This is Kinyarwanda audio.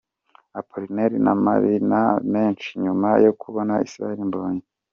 Apolline n'amarira menshi nyuma yo kubona Israel Mbonyi.